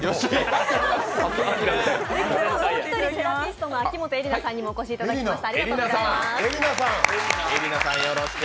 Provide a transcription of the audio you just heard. もう一人セラピストの秋本絵莉菜さんにもお越しいただきました。